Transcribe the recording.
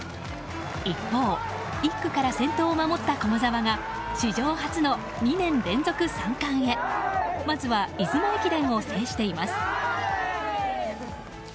一方、１区から先頭を守った駒澤が史上初の２年連続三冠へまずは出雲駅伝を制しています。